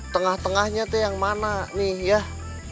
tengah tengahnya itu yang mana nih yah